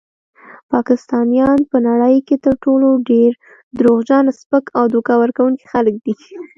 پاکستانیان په نړۍ کې تر ټولو ډیر دروغجن، سپک او دوکه ورکونکي خلک دي.